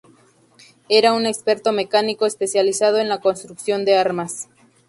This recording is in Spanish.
Era un experto mecánico especializado en la construcción de armas.